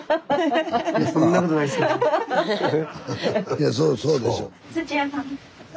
いやそうそうでしょ。